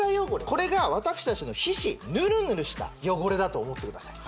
これが私達の皮脂ヌルヌルした汚れだと思ってください